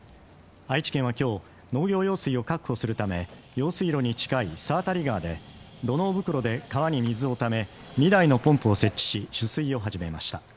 愛知県は今日、農業用水を確保するため用水路に近い猿渡川で土のう袋で川に水をため２台のポンプを設置し、取水を始めました。